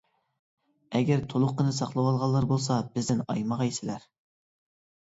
ئەگەر تولۇقىنى ساقلىۋالغانلار بولسا، بىزدىن ئايىمىغايسىلەر!